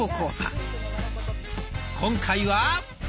今回は。